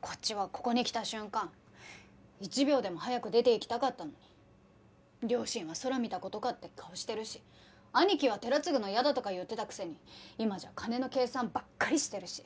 こっちはここに来た瞬間一秒でも早く出ていきたかったのに両親はそら見た事かって顔してるし兄貴は寺継ぐの嫌だとか言ってたくせに今じゃ金の計算ばっかりしてるし。